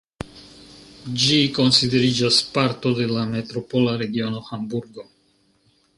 Ĝi konsideriĝas parto de la metropola regiono Hamburgo.